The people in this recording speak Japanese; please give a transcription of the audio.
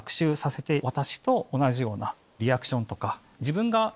私と同じようなリアクションとか。